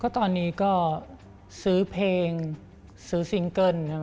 ตอนนี้ก็ซื้อเพลงซื้อซิงเกิ้ล